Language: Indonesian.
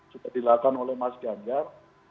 sudah dilakukan oleh mas ganjar